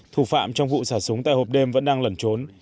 thủ phạm trong vụ xả súng tại hộp đêm vẫn đang lẩn trốn